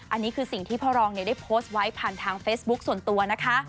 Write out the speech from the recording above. อันนี้คือสิ่งที่พ่อรองได้โพสต์ไว้ผ่านทางเฟซบุ๊คส่วนตัวนะคะ